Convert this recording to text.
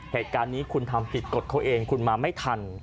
เหตุการณ์นี้คุณทำผิดกฎเขาเองคุณมาไม่ทัน